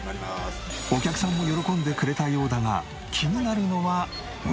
お客さんも喜んでくれたようだが気になるのは売り上げ。